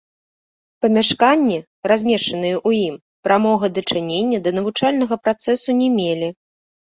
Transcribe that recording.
Памяшканні, размешчаныя ў ім, прамога дачынення да навучальнага працэсу не мелі.